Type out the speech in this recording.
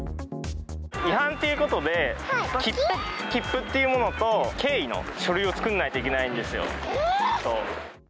違反ということで、切符っていうものと、経緯の書類を作んないといけないんですよ。